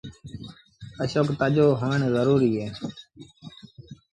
اشوڪ تآجو هوڻ زروريٚ اهي